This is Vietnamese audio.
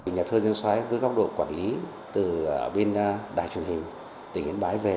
nhà thơ dương xoái với góc độ quản lý từ bên đài truyền hình tỉnh yên bái về